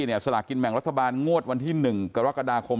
ศาลากินแม่งรัฐบาลโม้ดวันที่๑กรคม